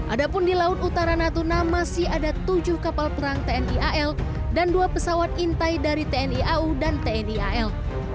adapun di laut utara natuna masih ada tujuh kapal perang tni al dan dua pesawat intai dari tni au dan tni al